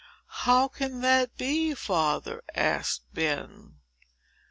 "How can that be, father?" asked Ben.